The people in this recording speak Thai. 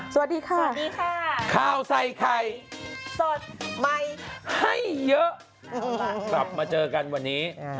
สวัสดีค่ะสวัสดีค่ะข้าวใส่ไข่สดใหม่ให้เยอะกลับมาเจอกันวันนี้